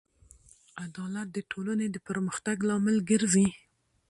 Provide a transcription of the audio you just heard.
عدالت د ټولنې د پرمختګ لامل ګرځي.